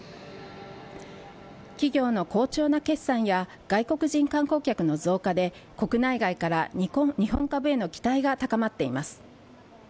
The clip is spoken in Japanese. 企業の好調な決算や外国人観光客の増加で国内外から日本株への期待が高まっています。